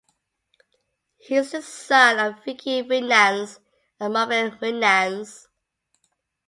He is the son of Vickie Winans and Marvin Winans.